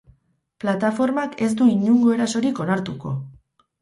Plataformak ez du inungo erasorik onartuko!